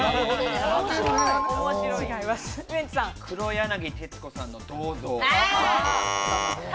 黒柳徹子さんの銅像。